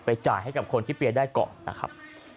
จ่ายให้กับคนที่เปียร์ได้ก่อนนะครับ